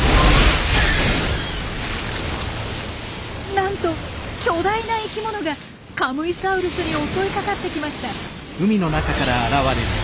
なんと巨大な生きものがカムイサウルスに襲いかかってきました！